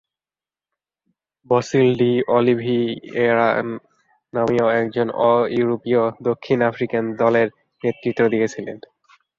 Basil ডি’অলিভিয়েরা নামীয় একজন অ-ইউরোপীয় দক্ষিণ African দলের নেতৃত্ব দিয়েছিলেন।